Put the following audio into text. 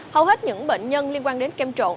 hầu hết những bệnh nhân liên quan đến kem trộn